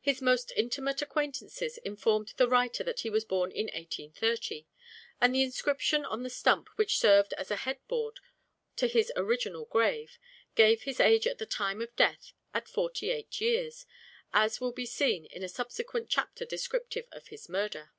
His most intimate acquaintances informed the writer that he was born in 1830; and the inscription on the stump which served as a head board to his original grave, gave his age at the time of death at forty eight years, as will be seen in a subsequent chapter descriptive of his murder.